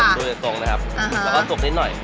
มันเป็นของตรงนี่ครับก็ซุกนิดหน่อย